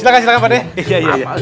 silahkan silahkan pak d